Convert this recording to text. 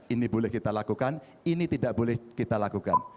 ini boleh kita lakukan ini tidak boleh kita lakukan